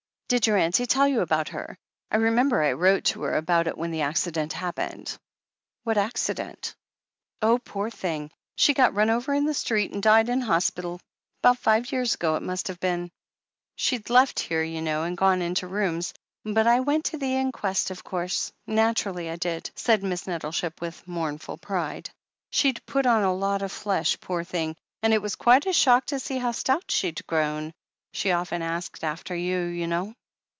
Did your auntie tell .you about her ?— I re member I wrote to her about it when the accident happened." "What accident?" "Oh, poor thing, she got nm over in the street, and died in hospital — ^about five years ago it must have been. She'd left here, you know, and gone into rooms. But I went to the inquest, of course — ^naturally I did," said Miss Nettleship with mournful pride. "She'd put on a lot of flesh, poor thing, and it was quite a shock to see how stout she'd grown. She often asked after you, you know."